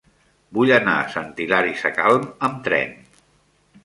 Vull anar a Sant Hilari Sacalm amb tren.